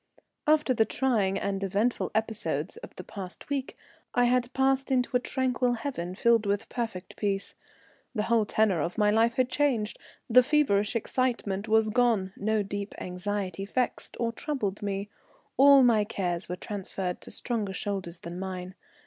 After the trying and eventful episodes of the past week I had passed into a tranquil haven filled with perfect peace. The whole tenor of my life had changed, the feverish excitement was gone, no deep anxiety vexed or troubled me, all my cares were transferred to stronger shoulders than mine.